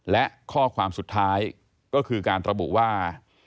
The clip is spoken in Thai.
และข้อความสุดท้ายก็คือการระบุว่า